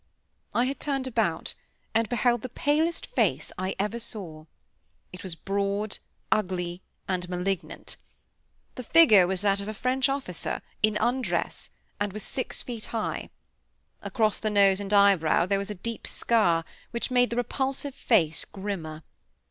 I had turned about, and beheld the palest face I ever saw. It was broad, ugly, and malignant. The figure was that of a French officer, in undress, and was six feet high. Across the nose and eyebrow there was a deep scar, which made the repulsive face grimmer.